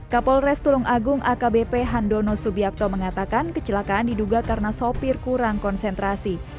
kapolres tulung agung akbp handono subiakto mengatakan kecelakaan diduga karena sopir kurang konsentrasi